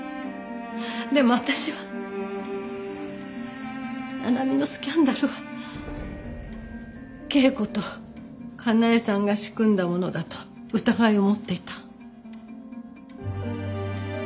でも私は七海のスキャンダルは恵子とかなえさんが仕組んだものだと疑いを持っていた。